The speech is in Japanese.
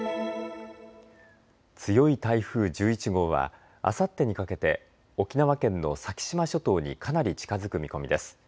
強い台風１１号はあさってにかけて沖縄県の先島諸島にかなり近づく見込みです。